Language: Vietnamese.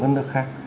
các nước khác